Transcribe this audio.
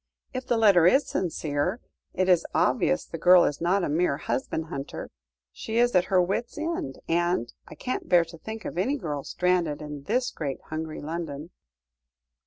If the letter is sincere, it is obvious the girl is not a mere husband hunter; she is at her wits' end, and I can't bear to think of any girl stranded in this great hungry London.